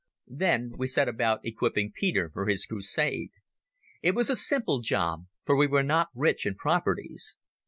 Then we set about equipping Peter for his crusade. It was a simple job, for we were not rich in properties.